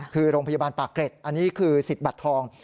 คือโรงพยาบาลปากเกร็ดอันนี้คือสิทธิ์บัตรทอง